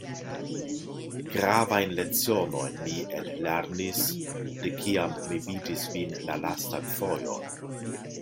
Gravajn lecionojn mi ellernis, de kiam mi vidis vin la lastan fojon.